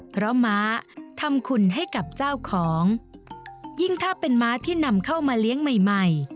เพราะม้าทำคุณให้กับเจ้าของยิ่งถ้าเป็นม้าที่นำเข้ามาเลี้ยงใหม่ใหม่